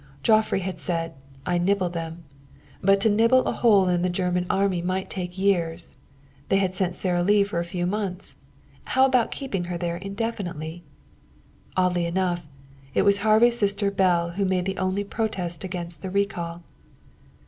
Joifre had said, "I nibble them." But to nibble a hole in the Germany Army might take years. They had sent Sara Lee for a few months. How about keeping her there indefinitely? Oddly enough, it was Harvey's sister Belle who made the only protest against the recall.